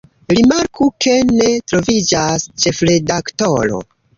Rimarku, ke ne troviĝas “ĉefredaktoro”.